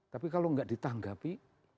tapi kalau enggak ditanggapi